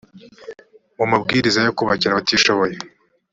mu mabwiriza yo kubakira abatishoboye